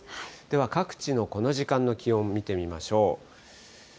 では各地のこの時間の気温見てみましょう。